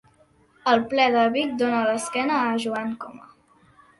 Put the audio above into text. El ple de Vic dona l'esquena a Joan Coma